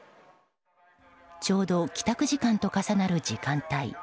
ちょうど帰宅時間と重なる時間帯。